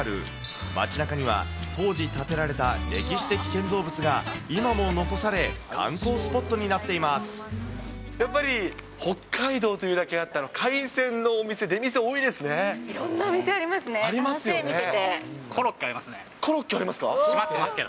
街なかには、当時建てられた歴史的建造物が、今も残され、観光スポットになっやっぱり、北海道というだけあって、海鮮のお店、出店、いろんなお店ありますね、コロッケありますね。